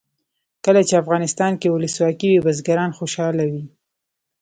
کله چې افغانستان کې ولسواکي وي بزګران خوشحاله وي.